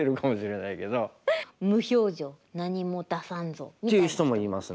無表情何も出さんぞみたいな。っていう人もいますね。